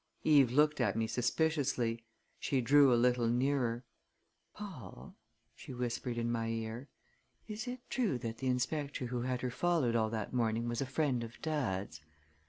Eve looked at me suspiciously. She drew a little nearer. "Paul," she whispered in my ear, "is it true that the inspector who had her followed all that morning was a friend of dad's?"